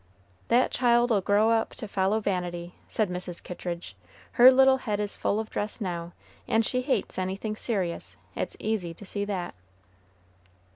"That child'll grow up to follow vanity," said Mrs. Kittridge; "her little head is full of dress now, and she hates anything serious, it's easy to see that."